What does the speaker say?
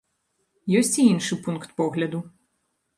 Ёсць і іншы пункт погляду.